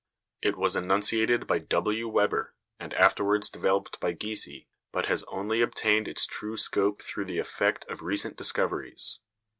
It was enunciated by W. Weber, and afterwards developed by Giese, but has only obtained its true scope through the effect of recent discoveries.